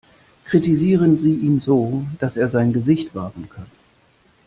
Kritisieren Sie ihn so, dass er sein Gesicht wahren kann.